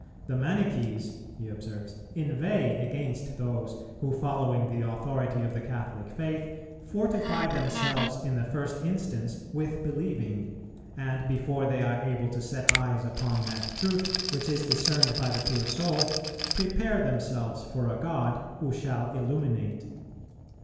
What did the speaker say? "The Manichees," he observes, "inveigh against those who, following the authority of the Catholic faith, fortify themselves in the first instance with believing, and before they are able to set eyes upon that truth, which is discerned by the pure soul, prepare themselves for a God who shall illuminate.